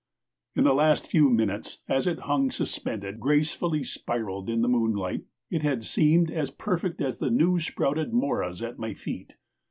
In the last few minutes, as it hung suspended, gracefully spiraled in the moonlight, it had seemed as perfect as the new sprouted moras at my feet.